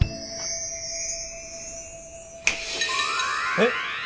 えっ？